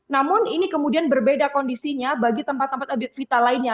namun ini kemudian berbeda kondisinya bagi tempat tempat objek vital lainnya